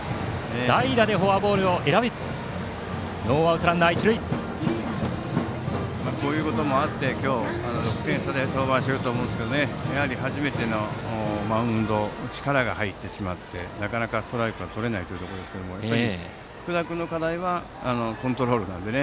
代打でフォアボールを選びこういうこともあって今日は登板していると思いますがやはり初めてのマウンドで力が入ってしまってなかなかストライクもとれないところですがやっぱり福田君の課題はコントロールなので。